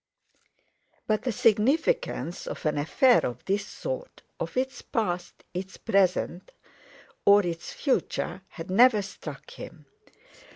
But the significance of an affair of this sort—of its past, its present, or its future—had never struck him.